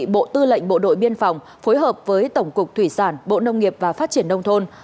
bộ tư lệnh bộ đội biên phòng phối hợp với tổng cục thủy sản bộ nông nghiệp và phát triển nông thôn